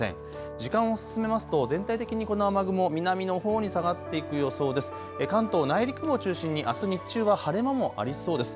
時間を進めますと全体的にこの雨雲、南のほうに下がっていく予想です。